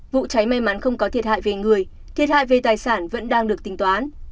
vụ cháy may mắn không có thiệt hại về người thiệt hại về tài sản vẫn đang được tính toán